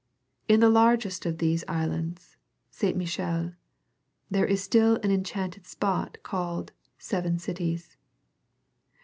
In the largest of these islands, St. Michael, there is still an enchanted spot called Seven Cities.